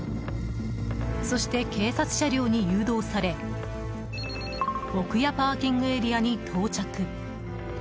そして、警察車両に誘導され奥屋ＰＡに到着。